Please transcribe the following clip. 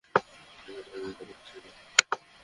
আমি এটা আর নিতে পারছি না!